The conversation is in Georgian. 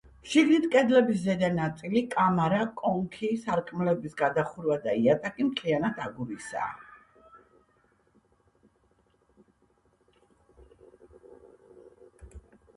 შიგნით კედლების ზედა ნაწილი, კამარა, კონქი, სარკმელების გადახურვა და იატაკი მთლიანად აგურისაა.